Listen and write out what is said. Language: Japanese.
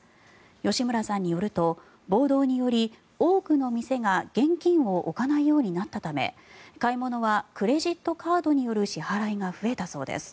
吉村さんによると暴動により多くの店が現金を置かないようになったため買い物はクレジットカードによる支払いが増えたそうです。